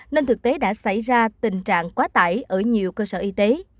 nên thực tế đã xảy ra tình trạng quá tải ở nhiều cơ sở y tế